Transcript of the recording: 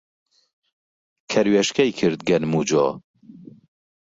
کەروێشکەی کرد گەنم و جۆ